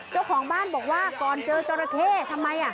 เจ้าของบ้านบอกว่าก่อนเจอจราเข้ทำไม